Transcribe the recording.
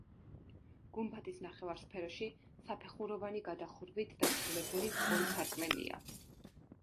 გუმბათის ნახევარსფეროში საფეხუროვანი გადახურვით დასრულებული ორი სარკმელია.